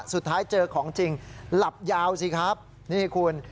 สุดท้ายเจอของจริงหลับยาวสิครับนี่คุณ